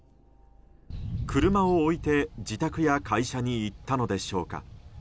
車を置いて、自宅や会社に行ったのでしょうか。